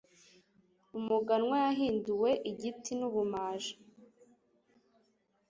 Umuganwa yahinduwe igiti nubumaji.